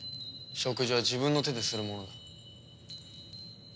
食事は自分の手でするものだ。